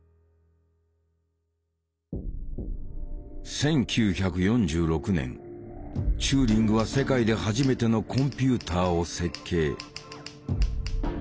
１９４６年チューリングは世界で初めてのコンピューターを設計。